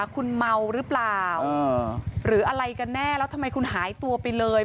คุณเมาหรือเปล่าหรืออะไรกันแน่แล้วทำไมคุณหายตัวไปเลย